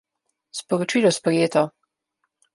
Sporočilo sprejeto.